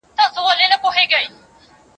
زه هوسۍ له لوړو څوکو پرزومه